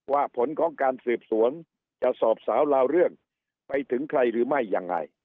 ผลของการสืบสวนจะสอบสาวลาวเรื่องไปถึงใครหรือไม่ยังไง